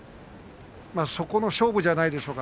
そこの勝負じゃないでしょうか。